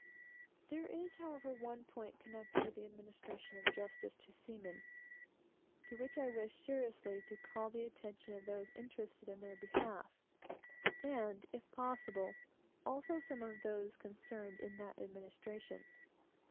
There is, however, one point connected with the administration of justice to seamen, to which I wish seriously to call the attention of those interested in their behalf, and, if possible, also of some of those concerned in that administration.